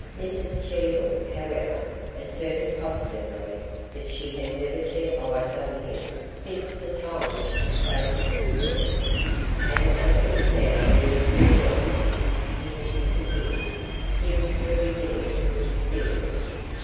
Mrs Cheedle, however, asserted positively that she had never set eyes on him since the time she stated to Slivers, and as it was now nearly two weeks since he had disappeared things were beginning to look serious.